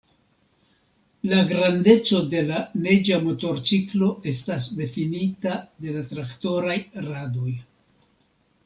La grandeco de la neĝa motorciklo estas difinita de la traktoraj radoj.